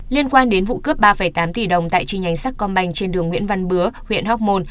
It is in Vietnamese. liên quan đến vụ cướp ba tám tỷ đồng tại chi nhánh sắc con bành trên đường nguyễn văn bứa huyện hóc môn